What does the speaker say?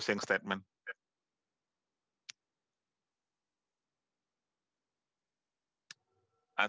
sebagai ulasan penutup